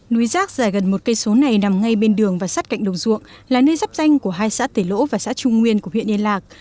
núi rác dài gần một cây số này nằm ngay bên đường và sát cạnh đồng ruộng là nơi dắp danh của hai xã tể lỗ và xã trung nguyên của huyện yên lạc